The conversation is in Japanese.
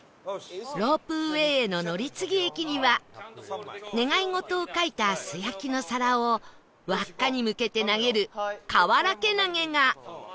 ロープウェイへの乗り継ぎ駅には願い事を書いた素焼きの皿を輪っかに向けて投げるかわらけ投げが